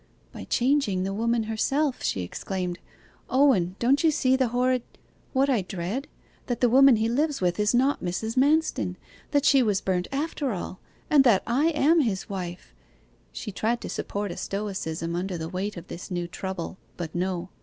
'By changing the woman herself,' she exclaimed. 'Owen, don't you see the horrid what I dread? that the woman he lives with is not Mrs. Manston that she was burnt after all and that I am his wife!' She tried to support a stoicism under the weight of this new trouble, but no!